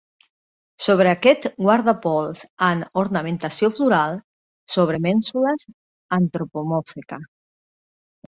Sobre aquest guardapols amb ornamentació floral sobre mènsules antropomòrfica.